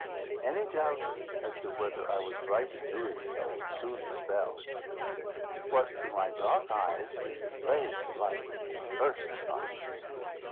Any doubt as to whether I was right in so doing, was soon dispelled. What to my dark eyes seemed a blaze of light, burst upon me.